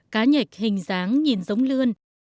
cá nhạch hình dáng nhìn giống lươn